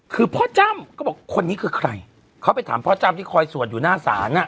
คือพ่อจ้ำก็บอกคนนี้คือใครเขาไปถามพ่อจ้ำที่คอยสวดอยู่หน้าศาลอ่ะ